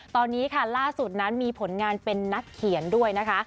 ตอนนี้ค่ะล่าสุดนั้นมีผลงานเป็นนักเขียนด้วยนะคะ